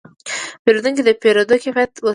پیرودونکی د پیرود کیفیت وستایه.